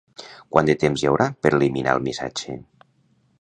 Quant de temps hi haurà per eliminar el missatge?